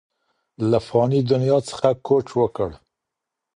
له فاني دنیا څخه کوچ وکړ